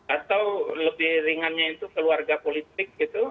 atau lebih ringannya itu keluarga politik gitu